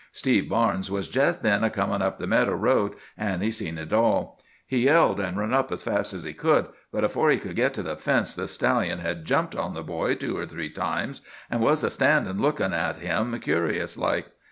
Steve Barnes was jest then a comin' up the meadow road, an' he seen it all. He yelled, an' run up as fast as he could; but afore he could git to the fence the stallion had jumped on the boy two or three times, an' was a standin' lookin' at him curious like.